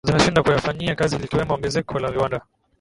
zinashindwa kuyafanyia kazi likiwemo ongezeko la viwanda